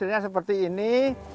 hasilnya seperti ini